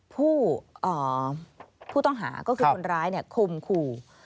ผู้ต้องหาก็คือคนร้ายคมขู่